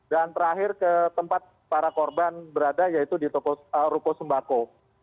dan terakhir ke tempat para korban berada yaitu di ruko sembako